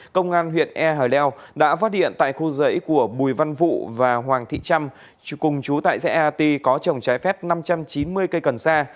công an huyện e hà lèo đã phát hiện tại khu giấy của bùi văn vụ và hoàng thị trăm cùng chú tại xã eat có trồng trái phép năm trăm chín mươi cây cần xa